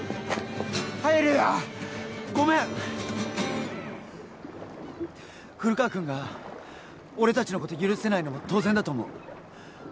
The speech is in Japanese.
帰れやごめん古川君が俺達のこと許せないのも当然だと思う